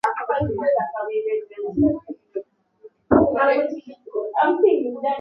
Mazungumzo yake ya siri yamesitishwa